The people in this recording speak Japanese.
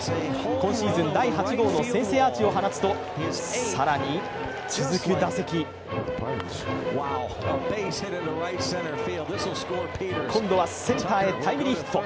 今シーズン第８号の先制アーチを放つと更に、続く打席今度はセンターへタイムリーヒット。